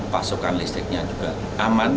pasokan listriknya juga aman